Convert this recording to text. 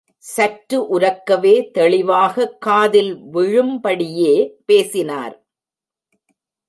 சற்று உரக்கவே தெளிவாக காதில் விழும்படியே பேசினார்.